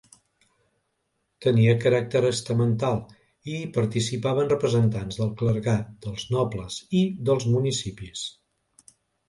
Tenia caràcter estamental i hi participaven representants del clergat, dels nobles i dels municipis.